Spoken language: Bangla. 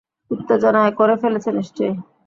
উত্তেজনায় করে ফেলেছে নিশ্চয়ই।